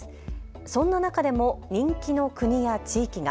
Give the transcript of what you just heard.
そんな中でも人気の国や地域が。